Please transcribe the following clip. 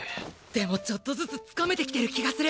でもちょっとずつ掴めてきてる気がする。